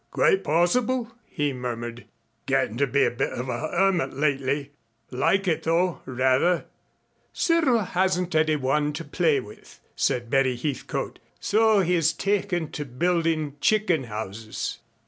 "Quite possible," he murmured, "gettin' to be a bit of a hermit lately. Like it though rather." "Cyril hasn't anyone to play with," said Betty Heathcote, "so he has taken to building chicken houses."